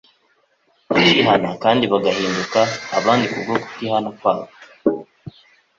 bakihana kandi bagahinduka. Abandi kubwo kutihana kwabo,